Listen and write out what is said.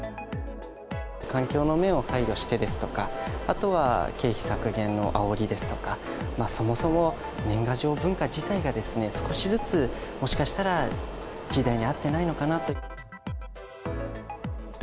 環境の面を配慮してですとか、あとは経費削減のあおりですとか、そもそも年賀状文化自体が少しずつ、もしかしたら、時代に合ってないのかなと。